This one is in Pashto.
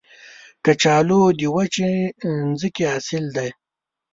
کچالو د وچې ځمکې حاصل دی